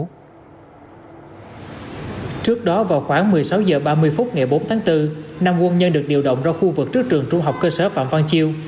trước đó vào khoảng một mươi sáu h ba mươi phút ngày bốn tháng bốn năm quân nhân được điều động ra khu vực trước trường trung học cơ sở phạm văn chiêu